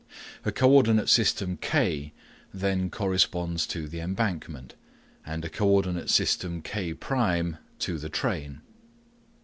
A co ordinate system K then corresponds to the embankment, and a co ordinate system K' to the train.